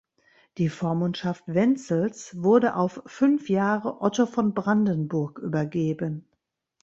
Die Vormundschaft Wenzels wurde auf fünf Jahre Otto von Brandenburg übergeben.